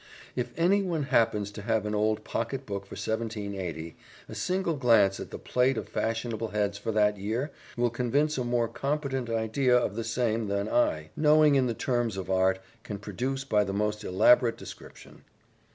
If any one happens to have an old pocket book for 1780, a single glance at the plate of fashionable heads for that year will convey a more competent idea of the same than I, unknowing in the terms of art, can produce by the most elaborate description.